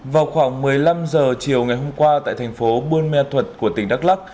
vào khoảng một mươi năm h chiều ngày hôm qua tại thành phố buôn ma thuật của tỉnh đắk lắc